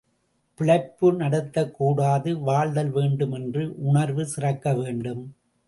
பிழைப்பு நடத்தக் கூடாது, வாழ்தல் வேண்டும் என்ற உணர்வு சிறக்க வேண்டும்.